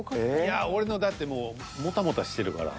いや俺のだってもうもたもたしてるから。